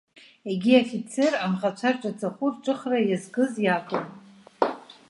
Егьи афицер, анхацәа рҿаҵахәы рҿыхра иазкыз иакәын.